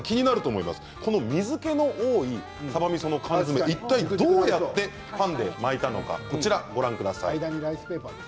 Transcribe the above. この水けの多いさばみその缶詰、いったいどうやってパンで巻いたのかご覧ください。